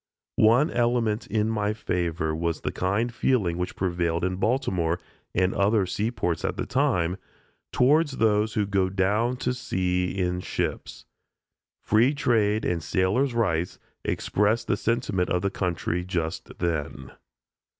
One element in my favor was the kind feeling which prevailed in Baltimore, and other seaports at the time, towards "those who go down to the sea in ships." "Free trade and sailors' rights" expressed the sentiment of the country just then.